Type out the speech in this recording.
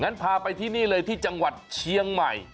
พาไปที่นี่เลยที่จังหวัดเชียงใหม่